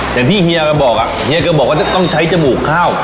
อย่างที่เฮียก็บอกอะเฮียก็บอกว่าจะต้องใช้จมูกข้าว